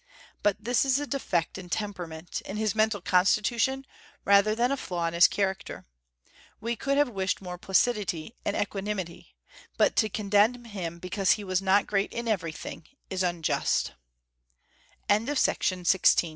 But this is a defect in temperament, in his mental constitution, rather than a flaw in his character. We could have wished more placidity and equanimity; but to condemn him because he was not great i